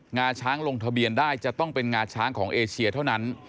งาช้างลงทะเบียนได้จะต้องเป็นงาช้างของเอเชียเท่านั้น